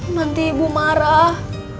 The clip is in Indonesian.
nanti ibu marah